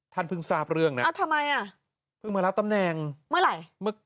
ท่านเพิ่งทราบเรื่องนะพึ่งมารับตำแหน่งเมื่อไหร่